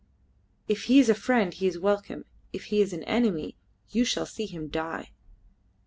If he is a friend he is welcome; if he is an enemy you shall see him die."